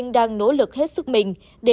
đang nỗ lực hết sức mình để